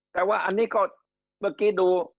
แต่ว่าอันนี้ก็เมื่อกี้ดู